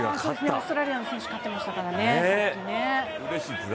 オーストラリアの選手が勝ってましたからね。